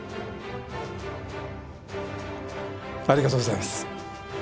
ありがとうございます。